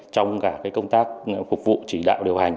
trong cả công tác phục vụ chỉ đạo điều hành